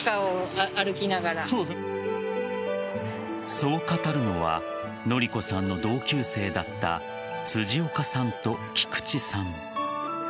そう語るのは典子さんの同級生だった辻岡さんと菊池さん。